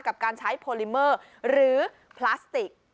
กับการใช้โพลิเมอร์หรือพลาสติก